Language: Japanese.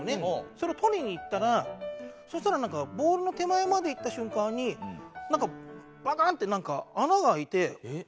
それを取りに行ったらそしたらなんかボールの手前まで行った瞬間になんかパカッ！って穴が開いて落ちたんですよ